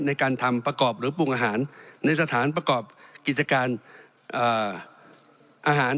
ในการทำประกอบหรือปรุงอาหารในสถานประกอบกิจการอาหาร